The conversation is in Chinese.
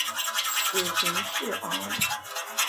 子荀逝敖。